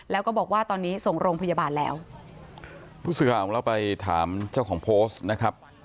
แล้วก็บอกว่าตอนนี้ส่งโรงพยาบาลแล้วผู้สื่อข่าวของเราไปถามเจ้าของโพสต์นะครับ